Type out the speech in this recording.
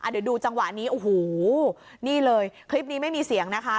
เดี๋ยวดูจังหวะนี้โอ้โหนี่เลยคลิปนี้ไม่มีเสียงนะคะ